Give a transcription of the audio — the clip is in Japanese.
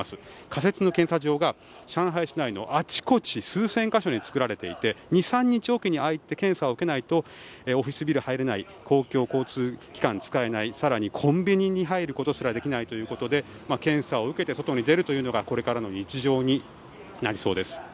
仮設の検査場が上海市内のあちこちに数千か所に作られていて２３日おきにああやって検査を受けないとオフィスビルに入れない公共交通機関が使えない更にコンビニに入ることすらできないということで検査を受けて外に出るということがこれからの日常になりそうです。